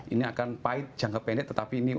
ini akan pahit jangan kependek tetapi ini